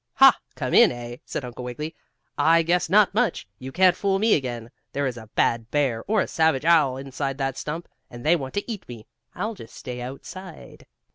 "Ha! Come in; eh?" said Uncle Wiggily. "I guess not much! You can't fool me again. There is a bad bear, or a savage owl inside that stump, and they want to eat me. I'll just stay outside."